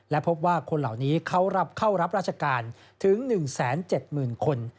และพบว่าคนเหล่านี้เขารับเข้ารับราชการถึง๑๗๐๐๐คน